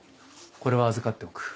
これは預かっておく。